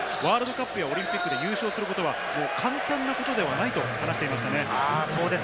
ワールドカップやオリンピックで優勝することは簡単なことではないと話していましたね。